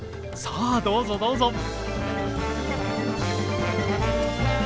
さあどうぞどうぞ。